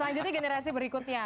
selanjutnya generasi berikutnya